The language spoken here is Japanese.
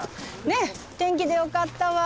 ねっ天気でよかったわ。